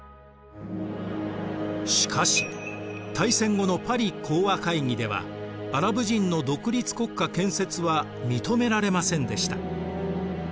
しかし大戦後のパリ講和会議ではアラブ人の独立国家建設は認められませんでした。